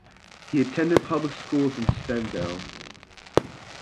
He attended public schools in Stendal.